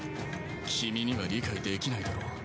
君には理解できないだろう。